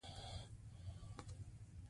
توپک د رحم خلاف دی.